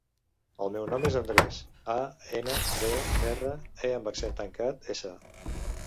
El meu nom és Andrés: a, ena, de, erra, e amb accent tancat, essa.